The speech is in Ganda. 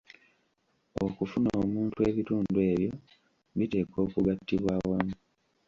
Okufuna omuntu ebitundu ebyo biteekwa okugattibwa awamu.